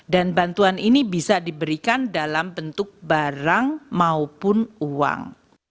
bantuan ini bisa diberikan dalam bentuk barang maupun uang